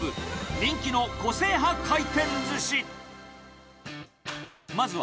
人気の個性派回転ずし。